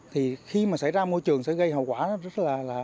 thì khi mà xảy ra môi trường sẽ gây hậu quả rất là